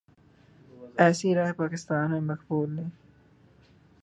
ایسی رائے پاکستان میں مقبول نہیں۔